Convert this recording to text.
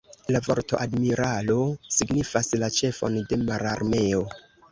La vorto "admiralo" signifas la ĉefon de mararmeo.